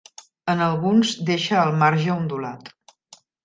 En alguns deixa el marge ondulat.